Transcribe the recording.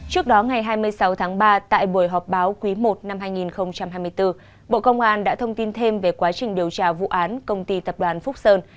trước đó ngày hai mươi sáu tháng ba tại buổi họp báo quý i năm hai nghìn hai mươi bốn bộ công an đã thông tin thêm về quá trình điều tra vụ án công ty tập đoàn phúc sơn